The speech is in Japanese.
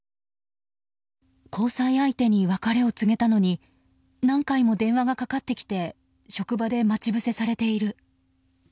交際相手に別れを告げたのに何回も電話がかかってきて職場で待ち伏せされている。